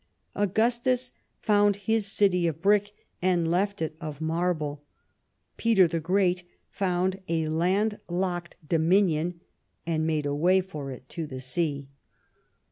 Augustus found his city of brick and left it of marble ; Peter the Great found a land locked dominion and made a way for it to the sea.